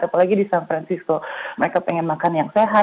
apalagi di san francisco mereka pengen makan yang sehat